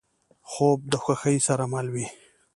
خوب د خوښۍ سره مل وي